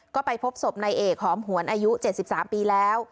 ก็ไปพบศพนายเอกหอมหวนอายุ๗๓ปีแล้ว